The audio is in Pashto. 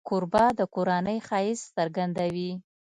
کوربه د کورنۍ ښایست څرګندوي.